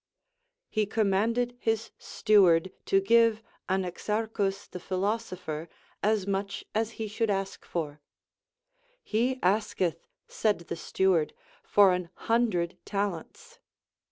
lie commanded his steward to give Anaxar chus the philosopher as much as he should ask for. He asketh, said the steward, for an hundred talents.